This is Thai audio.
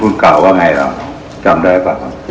คุณกล่าวว่าไงหรอจำได้หรือเปล่า